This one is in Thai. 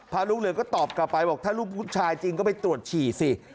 ลูกเหลืองก็ตอบกลับไปบอกถ้าลูกผู้ชายจริงก็ไปตรวจฉี่สิ